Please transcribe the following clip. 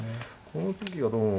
この時がどうも。